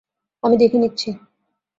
আমি দেখে নিচ্ছি।